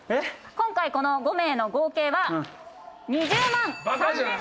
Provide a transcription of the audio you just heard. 今回この５名の合計は。